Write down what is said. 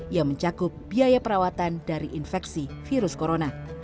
yang mencakup biaya perawatan dari infeksi virus corona